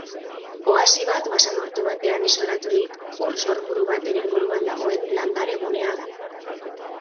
Oasi bat basamortu batean isolaturik ur sorburu baten inguruan dagoen landare gunea da.